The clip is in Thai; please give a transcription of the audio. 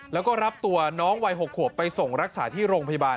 แล้วก็รับตัวน้องวัย๖ขวบไปส่งรักษาที่โรงพยาบาล